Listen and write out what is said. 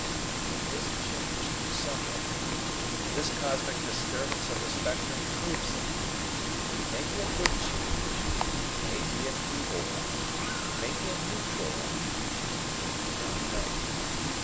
There is a change somewhere. This cosmic disturbance of the spectrum proves it. It may be a good change. It may be an evil one. It may be a neutral one. We do not know.